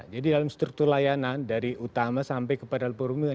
jadi dalam struktur layanan dari utama sampai ke padal perumahan